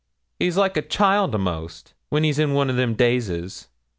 He's like a child a'most, when he's in one o' them dazes.'